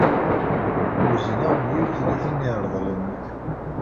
Wezneɣ meyya u tlatin n yireḍlen.